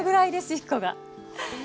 １個が。